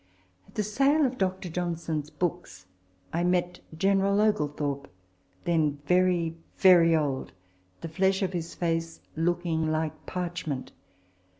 At the sale of Dr. Johnson's books I met General Oglethorpe, then very, very old, the flesh of his face looking like parchment.